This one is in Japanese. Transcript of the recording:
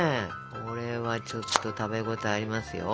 これはちょっと食べ応えありますよ。